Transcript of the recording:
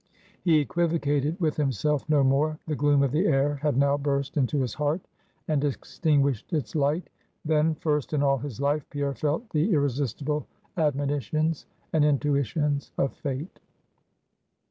He equivocated with himself no more; the gloom of the air had now burst into his heart, and extinguished its light; then, first in all his life, Pierre felt the irresistible admonitions and intuitions of Fate.